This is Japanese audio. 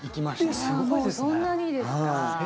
もうそんなにですか？